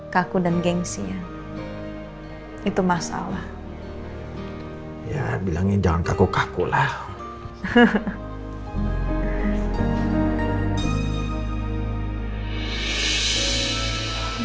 kaku dan gengsi ya hai itu masalah ya bilangin jangan kaku kaku lah hehehe